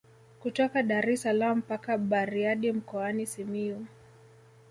Kutoka Daressalaam mpaka Bariadi mkoani Simiyu